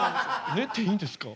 ねていいんですか？